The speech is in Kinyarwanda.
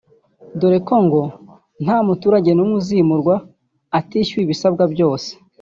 dore ko ngo nta muturage n’umwe uzimurwa atishyuwe ibisabwa byose